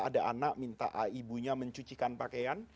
ada anak minta ibunya mencucikan pakaian